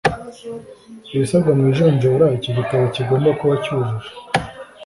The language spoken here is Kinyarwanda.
ibisabwa mu ijonjora Icyo gitabo kigomba kuba cyujuje